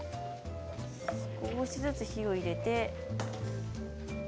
少しずつ火を入れて。